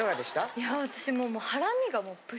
いや私もう。